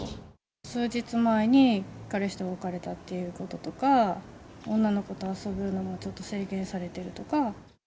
数日前に、彼氏と別れたっていうこととか、女の子と遊ぶのもちょっと制限されているとか。